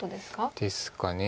ですかね。